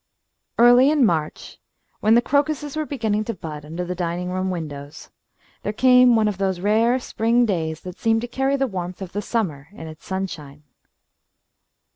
Early in March, when the crocuses were beginning to bud under the dining room windows, there came one of those rare spring days that seem to carry the warmth of summer in its sunshine.